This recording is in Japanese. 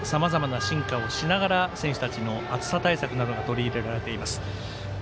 大会の中でもさまざまな進化をしながら選手たちの暑さ対策などが取り入れられています。